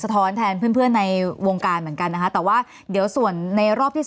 สะท้อนที่เพื่อนในวงการเหมือนกันนะคะแต่เดี๋ยวส่วนในรอบ